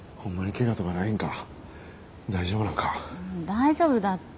大丈夫だって。